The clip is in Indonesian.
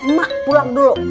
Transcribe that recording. mak pulang dulu